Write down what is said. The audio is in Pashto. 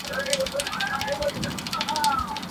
یوه توره تاریکه ورښکارېدله.